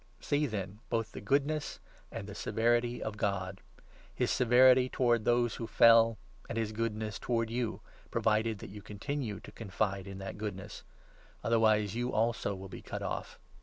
See, then, both the 22 goodness and the severity of God — his severity towards those who fell, and his goodness towards you, provided that you continue to confide in that goodness ; otherwise you, also, will be cut off.